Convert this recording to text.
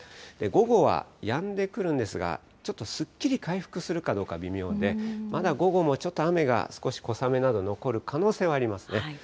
午後はやんでくるんですが、ちょっとすっきり回復するかどうか微妙で、まだ午後もちょっと雨が、少し小雨など残る可能性はありますね。